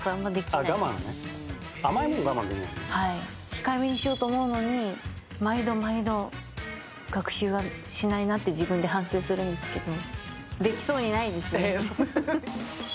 控えめにしようと思うのに、毎度毎度、学習はしないなって、自分で反省するんですけど。